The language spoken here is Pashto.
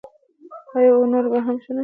آیا او نور به هم ښه نشي؟